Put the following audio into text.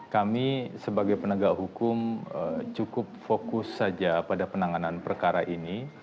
kami sebagai penegak hukum cukup fokus saja pada penanganan perkara ini